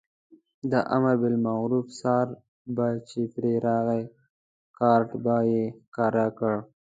د امربالمعروف څار به چې پرې راغی کارټ به یې ښکاره کړ.